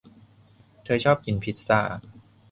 เธอชอบกินพิซซ่า